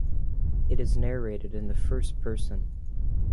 It is narrated in the first person.